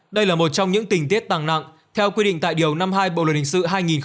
đây là một trong những tình tiết tăng nặng theo quy định tại điều năm mươi hai bộ luật hình sự hai nghìn một mươi năm